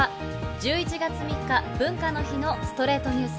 １１月３日、文化の日の『ストレイトニュース』。